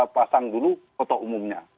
pasang dulu kota umumnya